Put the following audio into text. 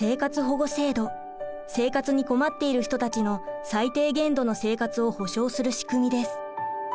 生活に困っている人たちの最低限度の生活を保障する仕組みです。